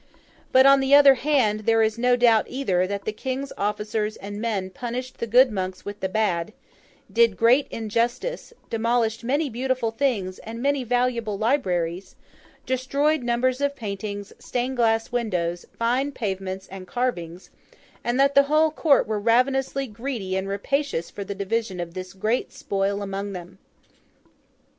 But, on the other hand, there is no doubt either, that the King's officers and men punished the good monks with the bad; did great injustice; demolished many beautiful things and many valuable libraries; destroyed numbers of paintings, stained glass windows, fine pavements, and carvings; and that the whole court were ravenously greedy and rapacious for the division of this great spoil among them.